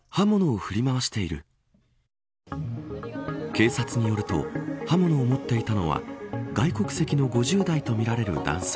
警察によると刃物を持っていたのは外国籍の５０代とみられる男性。